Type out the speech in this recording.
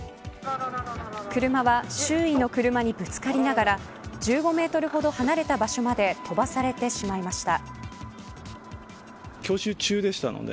車は周囲の車にぶつかりながら１５メートルほど離れた場所まで飛ばされてしまいました。